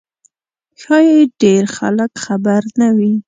ښایي ډېر خلک خبر نه وي.